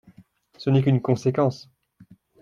Ce n’est qu’une conséquence.